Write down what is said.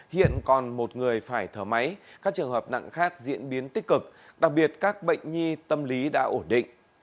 hiện còn một người phải thở máy các trường hợp nặng khác diễn biến tích cực đặc biệt các bệnh nhi tâm lý đã ổn định